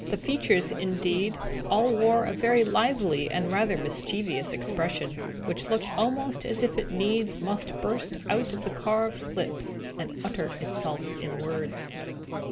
The features, indeed, all wore a very lively and rather mischievous expression, which looked almost as if it needs must burst out of the carved lips, and utter itself in words.